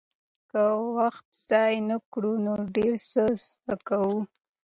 که وخت ضایع نه کړو نو ډېر څه زده کوو.